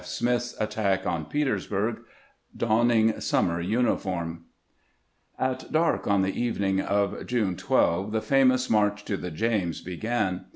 F. smith's ATTACK ON PETERSBURG — DONNING SUMMER UNIFORM AT dark on the evening of June 12 the famous march XA_ to the James began.